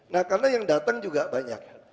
nah karena yang datang juga banyak